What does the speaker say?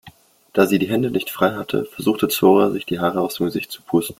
Da sie die Hände nicht frei hatte, versuchte Zora sich die Haare aus dem Gesicht zu pusten.